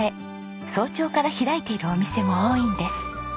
早朝から開いているお店も多いんです。